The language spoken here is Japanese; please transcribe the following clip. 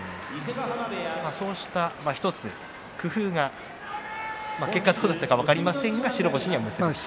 そうした１つ工夫が結果はどうだったか分かりませんが白星に結び付きました。